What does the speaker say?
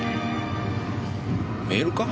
メールか？